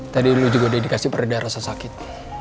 tadi lo juga udah dikasih pereda rasa sakit